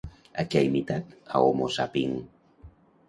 A qui ha imitat a Homo Zapping?